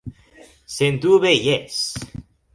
Sendube, jes.